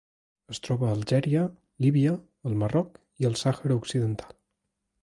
Es troba a Algèria, Líbia, el Marroc i el Sàhara Occidental.